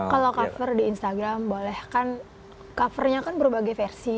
kalau cover di instagram boleh kan covernya kan berbagai versi